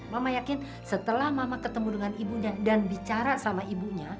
mama yakin setelah mama ketemu dengan ibunya dan bicara sama ibunya